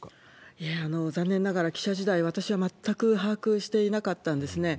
いや、残念ながら記者時代は、私は全く把握していなかったんですね。